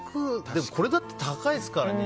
でもこれでも高いですからね。